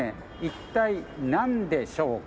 一体なんでしょうか？